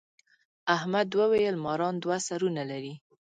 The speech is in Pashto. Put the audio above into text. احمد وويل: ماران دوه سرونه لري.